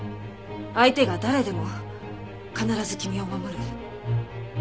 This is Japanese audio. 相手が誰でも必ず君を守る。